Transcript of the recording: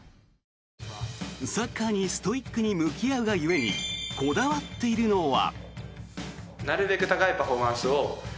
サッカーにストイックに向き合うが故にこだわっているのは。